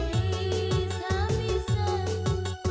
lu kudukku baru bangun lu